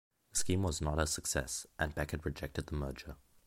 The scheme was not a success and Beckett rejected the merger.